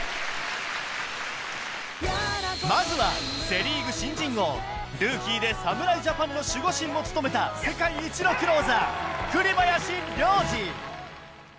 まずはセ・リーグ新人王ルーキーで侍ジャパンの守護神も務めた世界一のクローザー